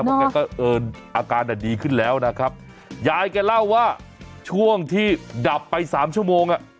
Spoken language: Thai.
เพราะแกก็เอิญอาการอ่ะดีขึ้นแล้วนะครับยายแกเล่าว่าช่วงที่ดับไปสามชั่วโมงอ่ะ